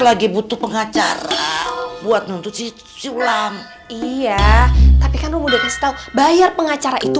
lagi butuh pengacara buat nuntut sulam iya hai baiknya lo udah kasih tahu bayar pengacara itu